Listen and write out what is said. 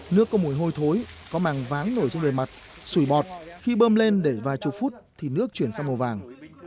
nước có mùi hôi thối có màng váng nổi trên bề mặt sủi bọt khi bơm lên để vài chục phút thì nước chuyển sang màu vàng